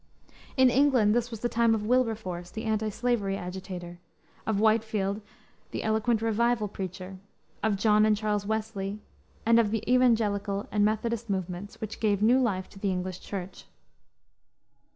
In England this was the time of Wilberforce, the antislavery agitator; of Whitefield, the eloquent revival preacher; of John and Charles Wesley, and of the Evangelical and Methodist movements which gave new life to the English Church.